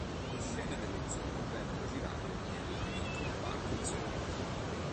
Le scene dello zoo vennero girate nel Lincoln Park Zoo.